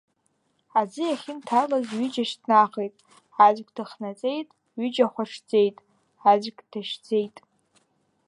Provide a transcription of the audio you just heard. Аӡы иахьынҭалаз ҩыџьа шьҭнахит, аӡәк дыхнаҵеит, ҩыџьа хәаҽӡеит, аӡәк дашьӡеит.